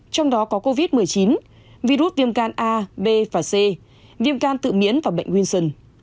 trong đó có covid một mươi chín virus viêm gan a b và c viêm gan tự miễn và bệnh winson